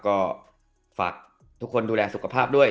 ก็ฝากทุกคนดูแลสุขภาพด้วย